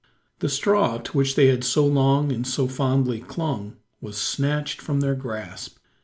The straw, to which they had so long and so fondly clung, was snatched from their grasp.